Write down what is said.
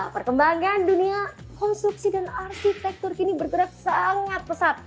perkembangan dunia konstruksi dan arsitektur kini bergerak sangat pesat